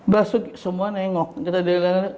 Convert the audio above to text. basuki semua nengok kita dianggap